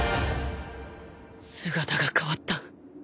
姿が変わった